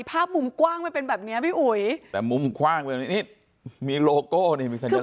ภาพมุมกว้างไปเป็นแบบเนี้ยพี่อุ๋ยแต่มุมกว้างไปนี่มีโลโก้นี่มีสัญลักษณ์